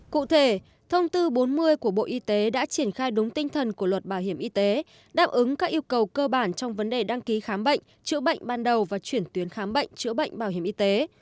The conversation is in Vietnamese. cụ thể thông tư bốn mươi của bộ y tế đã triển khai đúng tinh thần của luật bảo hiểm y tế đáp ứng các yêu cầu cơ bản trong vấn đề đăng ký khám bệnh chữa bệnh ban đầu và chuyển tuyến khám bệnh chữa bệnh bảo hiểm y tế